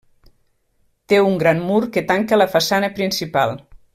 Té un gran mur que tanca la façana principal.